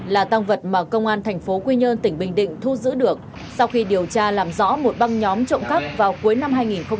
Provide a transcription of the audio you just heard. là tăng vật mà công an thành phố quy nhơn tỉnh bình định thu giữ được sau khi điều tra làm rõ một băng nhóm trộm cắp vào cuối năm hai nghìn một mươi ba